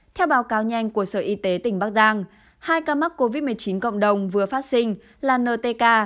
theo báo cáo nhanh của sở y tế tỉnh bắc giang hai ca mắc covid một mươi chín cộng đồng vừa phát sinh là ntk